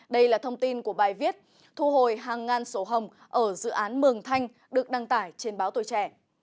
đây là thông tin của bài viết thu hồi hàng ngàn sổ hồng ở dự án mường thanh được đăng tải trên báo tuổi trẻ